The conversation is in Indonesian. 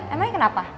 emang ini kenapa